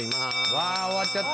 わ終わっちゃった。